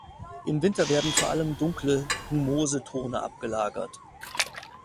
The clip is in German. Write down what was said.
Im Winter werden vor allem dunkle, humose Tone abgelagert.